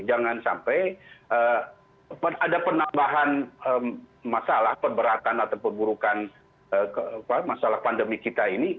jangan sampai ada penambahan masalah perberatan atau perburukan masalah pandemi kita ini